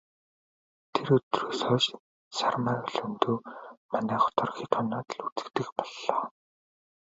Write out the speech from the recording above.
Тэр өдрөөс хойш Сармай Лхүндэв манай хотоор хэд хоноод л үзэгдэх боллоо.